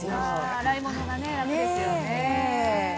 洗い物が楽ですよね。